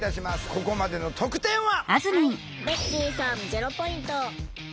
ここまでの得点は。